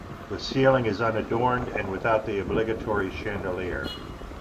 The ceiling is unadorned and without the "obligatory" chandelier.